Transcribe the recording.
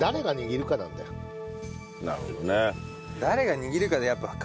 なるほどね。